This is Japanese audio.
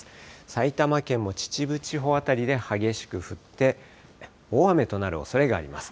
埼玉県も秩父地方辺りで激しく降って、大雨となるおそれがあります。